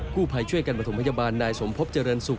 กูภายช่วยกันมาถุงพยาบาลนายสมภพเจริญสุก